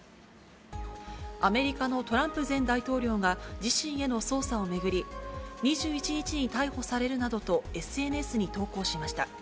アメリカのトランプ前大統領が自身への捜査を巡り、２１日に逮捕されるなどとＳＮＳに投稿しました。